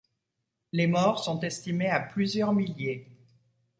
Les morts sont estimés à plusieurs milliers.